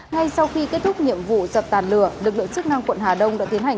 ngay sau khi kết thúc nhiệm vụ dập tàn lửa lực lượng chức năng quận hà đông đã tiến hành